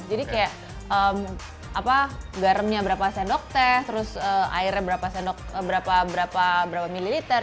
jadi kayak apa garamnya berapa sendok teh terus airnya berapa sendok berapa mililiter